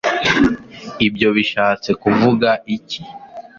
ibyo bishatse kuvuga iki